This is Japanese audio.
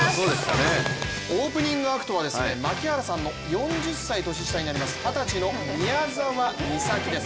オープニングアクトは槙原さんの４０歳年下になります二十歳の宮澤美咲です。